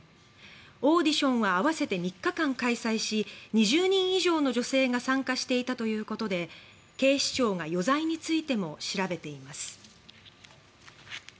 オーディションは合わせて３日間開催し２０人以上の女性が参加していたということで警視庁が余罪についても調べています。